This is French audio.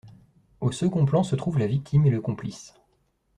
Au second plan se trouvent la victime et le complice.